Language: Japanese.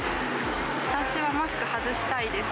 私はマスク外したいです。